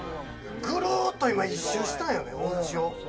グルっと今、一周したんやで、おうちを。